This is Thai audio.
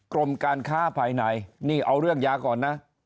กรมการค้าภายในนี่เอาเรื่องยาก่อนนะ